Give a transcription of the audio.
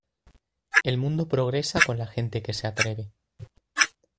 El mundo progresa con la gente que se atreve.